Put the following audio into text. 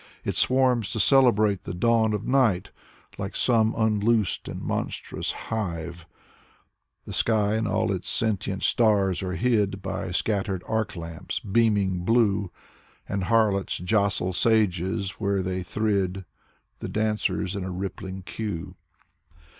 It swarms to celebrate the dawn of night Like some unloosed and monstrous hive. The sky and all its sentient stars are hid By scattered arc lamps beaming blue. And harlots jostle sages where they thrid The dancers in a rippling queue.